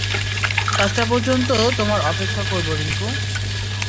পাঁচটা পর্যন্ত তোমার অপেক্ষা করব, রিংকু।